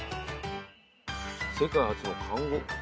世界初の看護。